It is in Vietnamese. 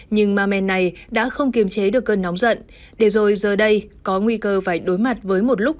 nhưng ma men này đã không kiềm chế được cơn nóng giận để rồi giờ đây có nguy cơ phải đối mặt với một lúc